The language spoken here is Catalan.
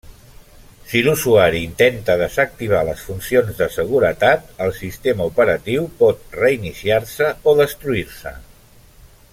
Si l'usuari intenta desactivar les funcions de seguretat, el sistema operatiu pot reiniciar-se o destruir-se.